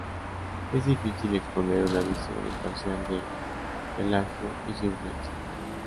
Es difícil exponer una visión imparcial de Pelagio y su influencia.